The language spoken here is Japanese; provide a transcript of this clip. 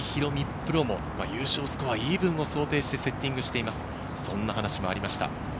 プロの優勝スコア、イーブンを想定してセッティングしています、そんな話もありました。